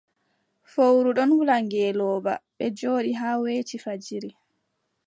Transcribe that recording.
Fowru ɗon hula ngeelooba, ɓe njooɗi haa weeti fajiri.